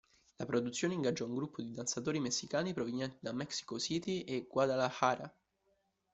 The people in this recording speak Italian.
La produzione ingaggiò un gruppo di danzatori messicani provenienti da Mexico City e Guadalajara.